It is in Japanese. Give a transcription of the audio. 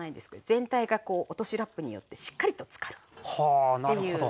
全体が落としラップによってしっかりと浸かるっていうね技です。